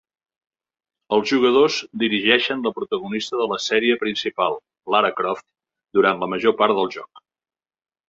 Els jugadors dirigeixen la protagonista de la sèrie principal, Lara Croft, durant la major part del joc.